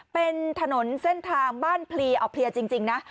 เป็นถนนเส้นทางบ้านพลีเอาเพลียจริงนะ